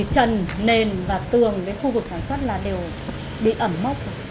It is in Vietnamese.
trần nền và tường khu vực sản xuất đều bị ẩm mốc